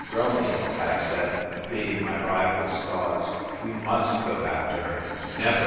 " Romeo," I said, pleading my rival's cause, "you must go back to her." " Never